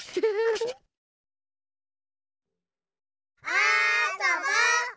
あそぼ！